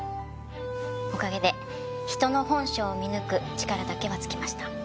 おかげで人の本性を見抜く力だけはつきました。